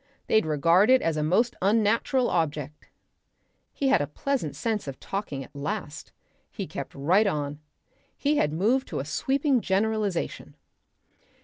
They'd regard it as a most unnatural object." He had a pleasant sense of talking at last. He kept right on. He was moved to a sweeping generalisation.